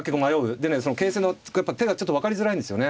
でねその手がちょっと分かりづらいんですよね。